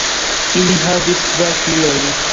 Ili havis kvar filojn.